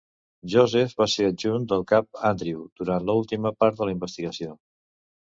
Joseph va ser adjunt del cap Andrew durant l'última part de la investigació.